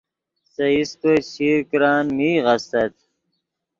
سے ایسپے چشیر کرن میغ استت